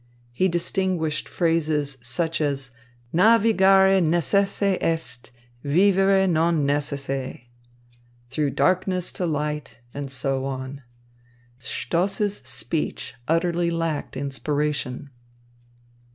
He distinguished phrases such as "navigare necesse est, vivere non necesse," "through darkness to light," and so on. Stoss's speech utterly lacked inspiration.